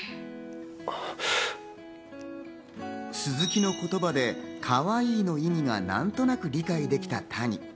鈴木の言葉でかわいいの意味が何となく理解できた谷。